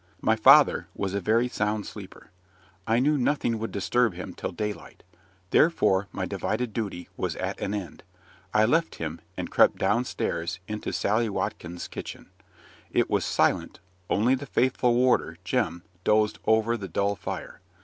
My father was a very sound sleeper. I knew nothing would disturb him till daylight; therefore my divided duty was at an end. I left him, and crept down stairs into Sally Watkins' kitchen. It was silent, only the faithful warder, Jem, dozed over the dull fire.